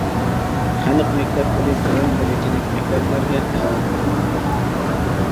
خەلق مەكتەپلىرى تۆۋەن دەرىجىلىك مەكتەپلەرگە تەۋە بولغان.